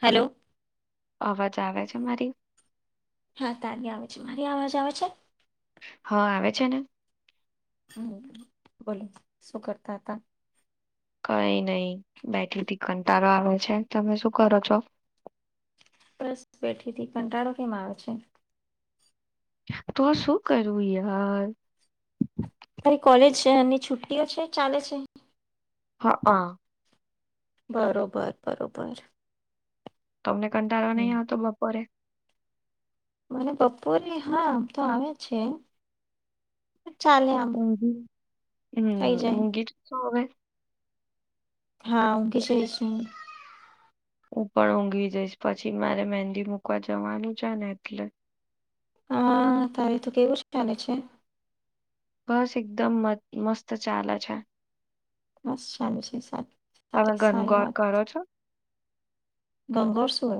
Hello. અજ આવે છે મારી? હા તારી આવે છે મારી અવાજ આવે છે? હા આવે છે ને. બોલો શું કરતા હતા? કઈ નહી, બેટલી થી કંટાળો આવે છે તમે શું કરો છો? બસ બેઠીથી કંટાળો કેમ આવે છે? તો શું કરું યાર. શહેરની છુટ્ટીઓ છે ચાલે છે. હા હા. બરોબર બરોબર. તમને કંટાળવા હમ. નહીં આવતો બપોરે? મને બપોરે હા તો આવે છે. ચાલે આમ મી હમ થઈ જાય મુંગીથી શવે. હા હુંકે શ છું. હું પણ ઊંઘવી જઈશ પછી મારે મહેંદી મૂકવા જવાનું છે ને એટલે. હા તારે તો કેવું ચાલે છે? બસ એકદમ મસ્ત ચાલે છે. બસ સામે છે સાત. તમે ઘનગોર કરો છો? ગંગરસર.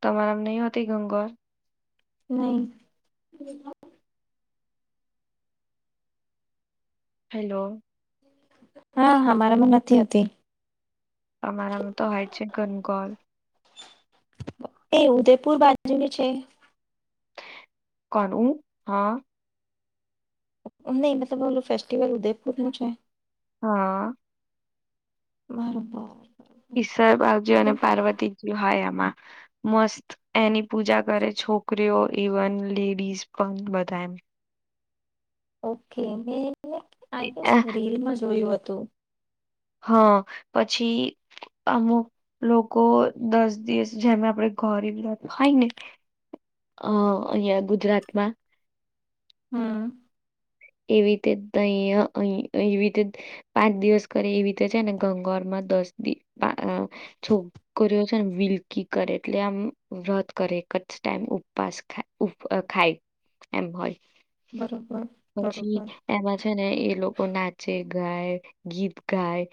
તમારામાં નહ હોતી ગંગર.? નહી. હેલો. હા હા મારામાં નથી હોતી. તમારામાં તો હોય છે ગનગોર એ ઉદયપુર બાજુ છે. કનું હા. નહીમાં તો બોલું ફેસ્ટિવલ ઉદયપુર નું છે. હા. બરોબર. ઈશ્વર બાજી અને કેમ પાર્વતીજી હોય આમાં. મસ્ત એની પૂજા કરે છોકરીઓ ઇવન લેડીઝ પણ બધા એમ. ઓકે મે. આઈ ગસ રીલમાં જોયું હતું. તો. હા પછી અમુક લોકો દસ દિવસ જેમ આપડે ઘરી થાય ને અ અહિયાં ગુજરાતમાં. હમ. એવી રીતે અહી અહી એવી રીતે પાંચ દિવસ કરે એવી રીતે છે ને ગંગારમાં દસિવ છોકરીઓ છે વિલકી કરે એટલે આમ વ્રત કરે એક જ ટાઈમ ઉપવાસાય ખાય એમ હોય. બરોબર. પછી બરોબર એમાં છે ને એ લોકો નાચે. ગાય ગીત ગાય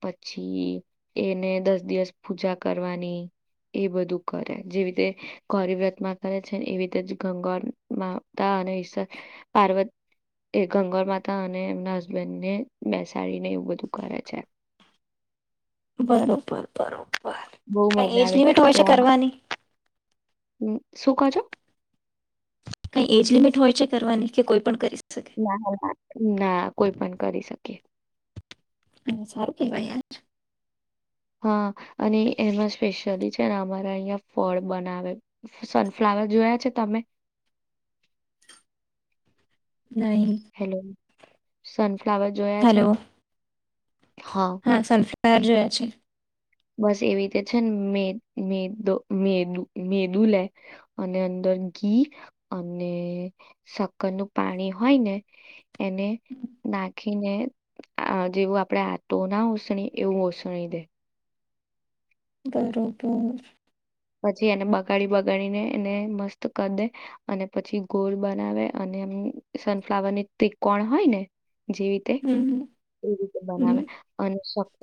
પછી એને દસ દિવસ પૂજા કરવાની એ બધું કરે જેવી રીતે ગૌરી વ્રતમાં કરે છે ને એવી રીતે જ ગંગા માતા અનેઈ પાર્વત. એ ગંગર માતા અને એમના હસબેન્ડને બેસાડીને એવું બધું કરહેે છે. બરોબર બરોબર. બહુ કઈ મજા એજ આવે લિમિટ હોય કે છે આમાં કરવાની ઉમ, શું કહો છો કઈ એજ લિમિટ. હોય છે કરવાની કે કોઈ પણ કરી. શકે ના ના કોઈ પણ કરી શકી. હ સારું કેવાય યાર. હા, અને એમાં સ્પેશિયલી છેને મારે અહિયાં ફળ બનાવે. સનફ્લાવર જોયા છે તમે? નહી? સં હેલો, હા સનફ્લાવર જોયા છે. બસ એવી રીતે છે ને મે મેદો મેદુ મેદુ લે, અને અંદર ઘી, અને સક્કર નું પાણી હોય ને એને ના રાખીને જેવું આપણેે આતો ના ઓસણી એવું ઓસણી દે. બરોબર. પછી એને બગાડી બગાડીને એને મસ્ત ક દે, અને પછી ગોળ બનાવે અને એમ સનફ્લાવરની ત્રિકોણ હોય ને. જે રીતે, હમ એ રીતે હમ બનાવે અને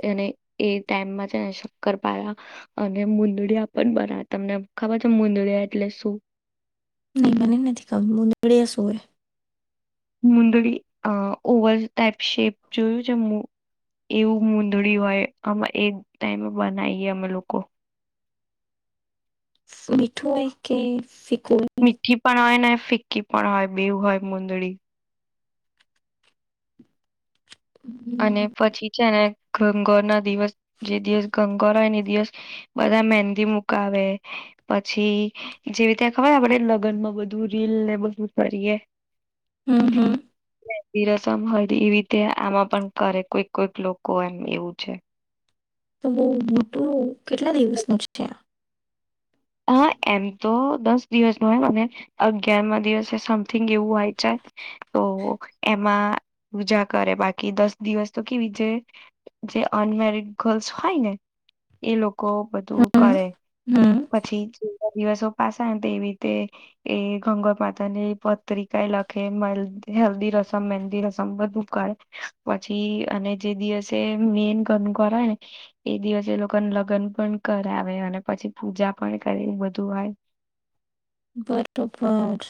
એને એ ટાઈમમાં જને શક્કર પાયા, અને મુંદડી પણ બરા તમને ખબર છે મુંદળિયા એટલે શું? નહી મને નથી મુંદળીયા શું? મુંદળ અ ઓવલ ટાઈપ શેપ જોયું છે, એવું મુંદડી હોય આમાં એક ટાઈમે બનાવીએ અમે લોકો. મીઠુંઆઈ કે ફ મીઠી પણ હોય ને ફિક્કી પણ હોય બેવું હોય મુંદડી. અને પછી છે ને ખંગો ના દિવસ જે દિવસ ગણગોર હોયે ને દિવસ, બધા મેંદી મુકાવે, પછી જેવી ત્યાં ખબર આપડે લગ્નમાં બધું રીલ ને બધું કરીયએ. હમ્મ હમ્મ એ રસમ હોય એવી રીતે આમાં પણ કરે કોઈક કોઈક લોકો એમ એવું છે. તો બહુ મોટું કેટલા દિવસનું છે આ? હા એમ તો દસ દિવસ ન હોય અને અગયારમાં દિવસે સમથિંગ એવું હોય જાય ઓ તો એમાં પૂજા કરે બાકી દસ દિવસ તો કેવી જે, અનમેરડ ગર્લ્સ હોય, ને એ લોકો કો બધું હમ કરે. હમ્મ, પછી દિવસો પાસાય ને તો એ રીતે, એ ગણગોર માતા ની પત્રિકા લખે હેલ્ધી રસમ મહેંદી રસમ બધું કરે, પછી અને જે દિવસે મેન ગણગોર હોયે ને એ દિવસે લોકોને લગ્ન પણ કરાવે અને પછી પૂજા પણ કરી બધું હોય. બરોબર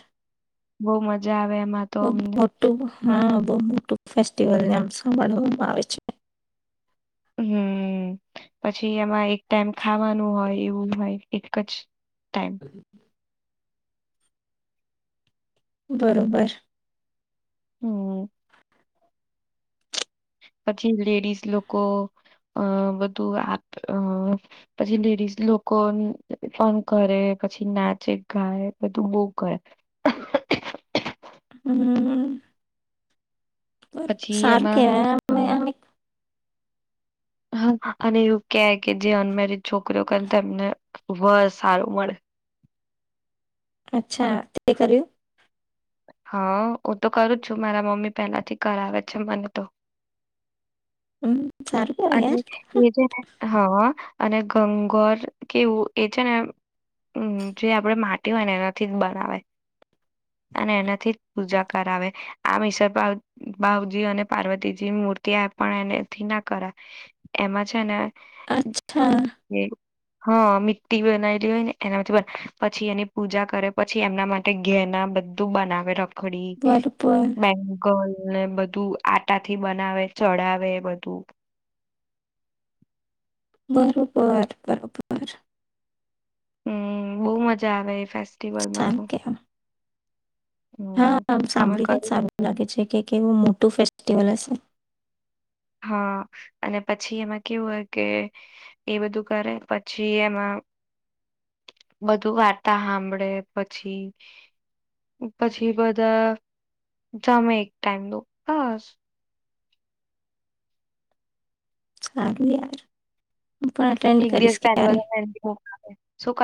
બહુ મજા આવે એમાં તો બહુ અમને મોટું હા બહુ મોટું ફેસ પ્ટિવલ નાં સંભળવામા આવે છે. હમ્મ પછી એમાં એક ટાઈમ ખાવાનું હોય એવું હોય એક જ ટાઈમ. બરોબર. હમ્મ પછી લેડીઝ લોકો અ બધું આપ પછી લેડીઝ લોકો પણ કરે પછી નાચે ગાય બધું બો કરે. હમ્મ બરોબર પછી સારુ એમાં કહેવાયે [unintelligible] હ અને એવું કે કે જે અનમેરિડ છોકરીઓ કરે તેમને વર સારું મળે. અચ્છા તે કર્યું. હા હું તો કરું છું મારા મમ્મી પહેલાથી કરાવે આવે છે મને તો. હમ્મ સારું કહેવાય અને યાર. એ જે ને હ અને ગગણગોર કેવું એ છે ને જે આપણે માટી હોય ને એનાથી જ બનાવે અને એનાથી જ પૂજા કરાવે આમ ઈશ્વર પાર્વતી ભાવજી અને પાર્વતીજી મૂર્તિ પણ એનાથી ના કરાય. એ છે ના અચ્છા. હા મીટી બનાયલી હોય ને એનામાંથી પછી એની પૂજા કરે પછી એમના માટે ઘેના બધું બનાવે રખ. ખડી બરોબર, બેગલ. ને બધું આટા થી બનાવે ચડાવે બધું. બરોબર બરોબર. હમ બહુ મજા આવે એ ફ. ફેસ્ટલ મા તો હમ હામ અમે સાંભળીને જ કરું સારું લાગે છે કેવું મોટું ફ. કેટવાલ છે. હા અને પછી એમાં કેવું હોય કે એ બધું કરે પછી એમાં બધું વાર્તા સાંભળે પછી પછી બધા જમે એક ટાઈમ દો બસ. હયાર. એક દિવસ પહેલા શું ક.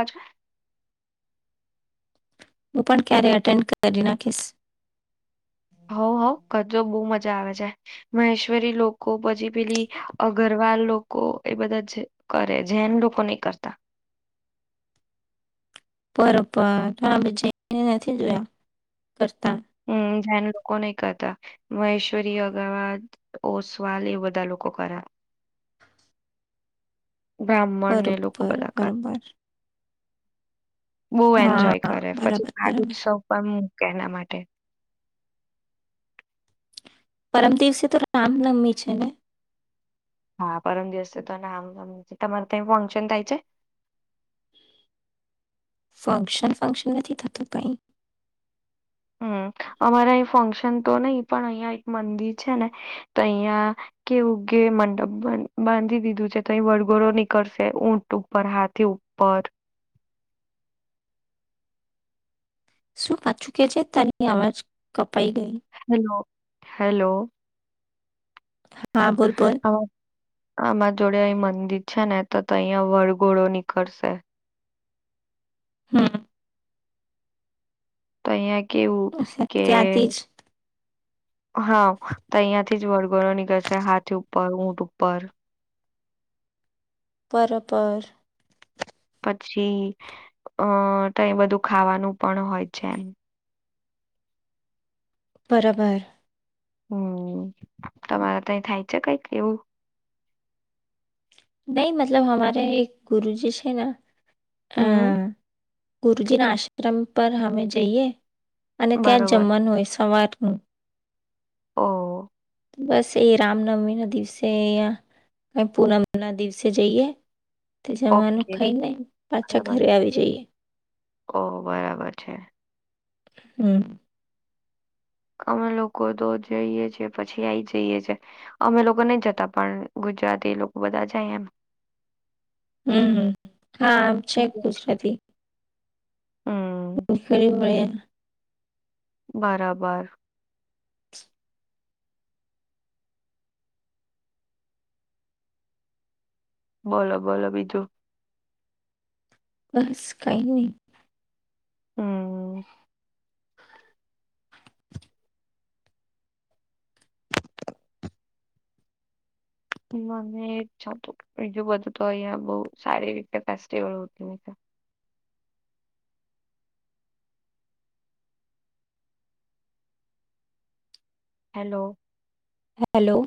હું પણ ક્યારે એટેન્ડ કરી નાખીશ. હો હો કરજો બહુ મજા આવે છે મહેશ્વરી લોકો પછી પેલી અગરવાલ લોકો એ બધા કરે જેૈન લોકો નહી કરતા. બરોબર હ બી જઈને નથી જોયા કરતા. હમ ધન લોકો નહી કરતા મહેશ્વરી અગાવા ઓસવાલ એ બધા લોકો કર્યા. બ્રાહ્મણને લોકો બરોબર બલાાકાર. બરોબર બહુ હા એન્જોય હા કરે પછી બરાબર સાાગ બરાબર ઉત્સવ પણ. કેના માટે. પરમ દિવસે તો રામનવમી છે ને. હા પરમ દિવસે તો આમ તમારે તં ફંક્શન થાય છે. ફંક્શન ફંક્શન નથી થતું કઈ. હમ અમારા અહીં ફંક્શન તો નહી પણ અહિયાં એક મંદિર છે ને તો અહિયાં કેવું કે મંડપ બાંધી દીધું છે તો અહીં વડઘોરો નીકળશે ઊંટ ઉપર હાથે ઉપર. શું કચું કેજ તની આર કપ. પૈ ગઈ. Hello hello. હા બોલ બોલ હા આમાં જોડે મંદિર છે ને તો અહીં વળઘોળો નીકળશે. હા. [inaudible] કેવું કે ત્યાંથી જ હા તો અહીિયાયાથી જ વળગરો નીકળશે હાથી ઉપર ઊટ ઉપર. બરાપર. પછી અ કઈ બધું ખાવાનું પણ હોય છે એમ. બરાબર. હમ તમારે ત થાય છે કઈક એવું. નહી મતલબ હમારે એક ગરુજી છે. [unintelligible] હમ ગુરુજીના આશ્રમ પર હમે જઈએ. અને ત્યાં જ બરોબર જમવાનું હોય. સવાર હા. ઓ બસ એ રામનવમી ના દિવસે અહીંયા કઈ પૂનમ ના દિવસે જઈએ. તે જમવાનું ઓકે ખાઈ નને પાછા બરાબર ઘરે આવી જઈએ. ઓ બરાબર છે. હમ. અમે લોકો તો જઈએ છીએ પછી આઈ જઈએ છે અમે લોકો નહી જતા પણ ગુજરાતી એ લોકો બધા જાય એમ. હમમ હા આમ છે ગુજરાતી. [unintelligible] [unintelligible] મળ્યાં. બરાબર. બોલો બોલો બીજું. બસ કઈ નહી. હમ. મને બીજું બધું તો અહીંયા બહુ સારી રીતે ફેસ્ટિવલ હેલો. હેલો.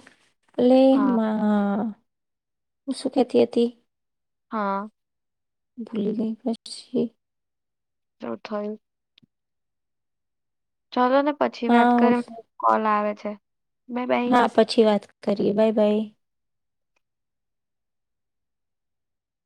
હા [unintelligible] ઉ શું કેહતી હતી. હા. ભૂલી ગયી પછી. [unintelligible] ચાલોને. પછી વાત હા કરે કોલ આવે. અચ્છા. હા પછી વાત કરીએ બાય બાય.